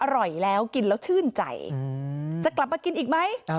อร่อยแล้วกินแล้วชื่นใจจะกลับมากินอีกไหม